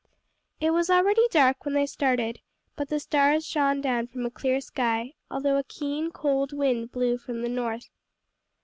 It was already dark when they started, but the stars shone down from a clear sky, although a keen, cold wind blew from the north.